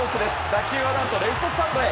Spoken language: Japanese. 打球は何とレフトスタンドへ。